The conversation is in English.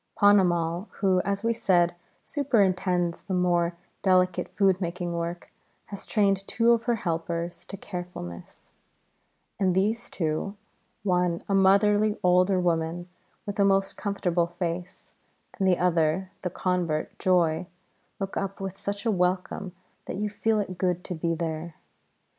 Ponnamal, who, as we said, superintends the more delicate food making work, has trained two of her helpers to carefulness; and these two one a motherly older woman with a most comfortable face, the other the convert, Joy look up with such a welcome that you feel it good to be there.